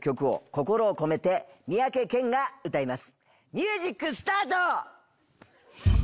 ミュージックスタート！